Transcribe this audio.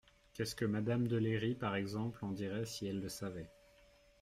Qu’est-ce que madame de Léry, par exemple, en dirait si elle le savait ?